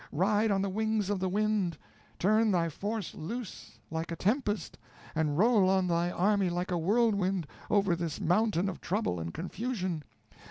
Ride on the wings of the wind! Turn thy force loose like a tempest, and roll on thy army like a whirlwind, over this mountain of trouble and confusion.